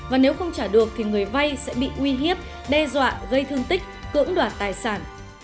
và nếu không trả được thì người vay sẽ bị uy hiếp đe dọa gây thương tích cưỡng đoạt tài sản